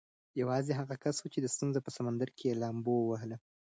یوازې هغه یو کس و چې د ستونزو په سمندر کې یې لامبو ووهله.